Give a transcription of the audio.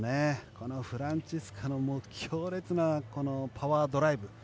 このフランツィスカの強烈なパワードライブ。